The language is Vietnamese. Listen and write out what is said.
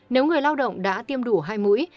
nếu người lao động đã tiêm đủ hai mũi